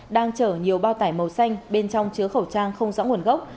đang chở nhiều bao tải màu xanh bên trong chứa khẩu trang không rõ nguồn gốc